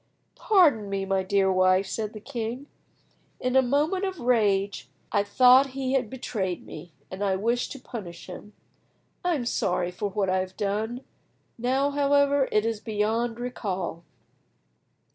"Pardon me, my dear wife," said the king. "In a moment of rage I thought he had betrayed me, and I wished to punish him. I am sorry for what I have done; now, however, it is beyond recall.